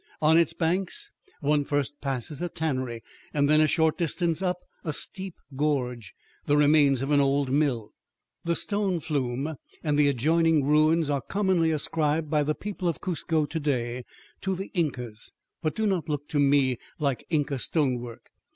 On its banks one first passes a tannery and then, a short distance up a steep gorge, the remains of an old mill. The stone flume and the adjoining ruins are commonly ascribed by the people of Cuzco to day to the Incas, but do not look to me like Inca stonework.